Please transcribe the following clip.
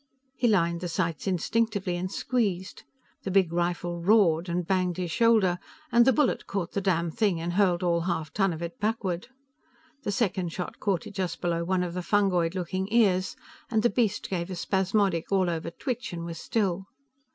He lined the sights instinctively and squeezed. The big rifle roared and banged his shoulder, and the bullet caught the damnthing and hurled all half ton of it backward. The second shot caught it just below one of the fungoid looking ears, and the beast gave a spasmodic all over twitch and was still.